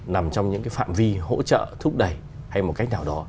nằm trong những cái phạm vi hỗ trợ thúc đẩy hay một cách nào đó